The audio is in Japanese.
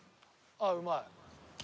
あっうまい。